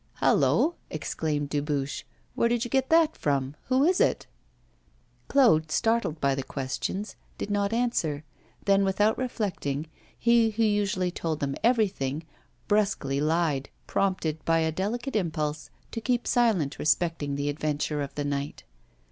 'Hallo!' exclaimed Dubuche, 'where did you get that from? Who is it?' Claude, startled by the questions, did not answer; then, without reflecting, he who usually told them everything, brusquely lied, prompted by a delicate impulse to keep silent respecting the adventure of the night.